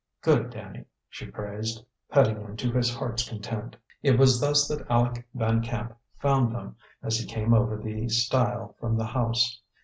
"Good Danny!" she praised, petting him to his heart's content. It was thus that Aleck Van Camp found them, as he came over the stile from the house.